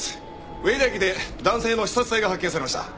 上田駅で男性の刺殺体が発見されました。